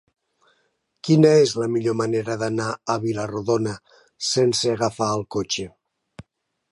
Quina és la millor manera d'anar a Vila-rodona sense agafar el cotxe?